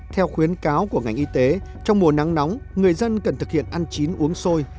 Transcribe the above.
theo khuyến cáo của ngành y tế trong mùa nắng nóng người dân cần thực hiện ăn chín uống sôi